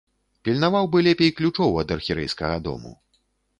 Пільнаваў бы лепей ключоў ад архірэйскага дому.